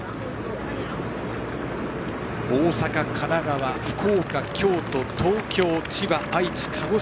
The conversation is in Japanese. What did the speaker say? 大阪、神奈川、福岡、京都東京、千葉、愛知、鹿児島